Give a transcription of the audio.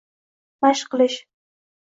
Mashq qilish.